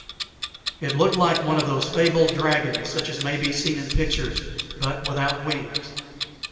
It looked like one of those fabled dragons such as may be seen in pictures, but without wings.